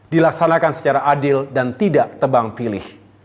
dilaksanakan secara adil dan tidak tebang pilih